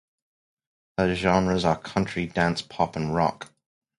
Her genres are country, dance, pop and rock.